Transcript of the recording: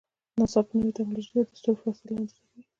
ناسا په نوی ټکنالوژۍ سره د ستورو فاصله اندازه کوي.